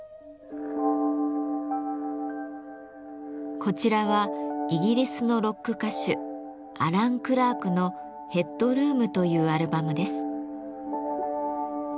こちらはイギリスのロック歌手アラン・クラークの「ヘッドルーム」というアルバムです。